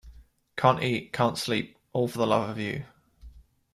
Can't eat, can't sleep — all for love of you.